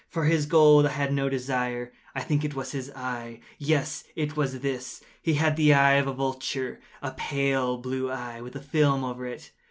For his gold I had no desire. I think it was his eye! yes, it was this! He had the eye of a vulture—a pale blue eye, with a film over it.